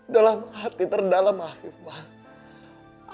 dalam hati terdalam hafif pak